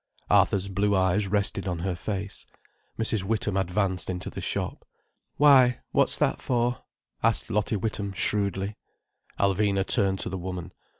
Arthur's blue eyes rested on her face. Mrs. Witham advanced into the shop. "Why? What's that for?" asked Lottie Witham shrewdly. Alvina turned to the woman.